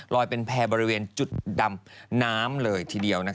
เป็นแพร่บริเวณจุดดำน้ำเลยทีเดียว